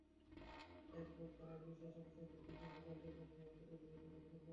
এরপর সারা দেশে সংস্থাটির বিভিন্ন কার্যক্রম নিয়ে একটি তথ্যচিত্র প্রদর্শিত হয়।